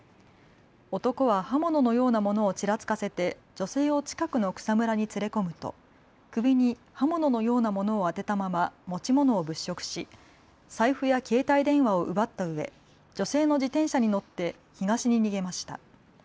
男は刃物のようなものをちらつかせて女性を近くの草むらに連れ込むと首に刃物のようなものを当てたまま持ち物を物色し財布や携帯電話を奪ったうえ女性の自転車に乗って東に逃げました。